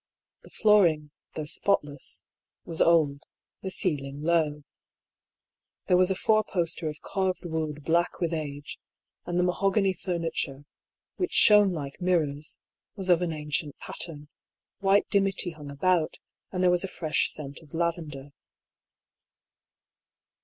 The flooring, though spotless, was old ; the ceiling low. There was a fourposter of carved wood black with age, 32 I>R. PAULL'S THEORY. and the mahogany furniture, which shone like mirrors, was of an ancient pattern. White dimity hung about, and there was a fresh scent of lavender.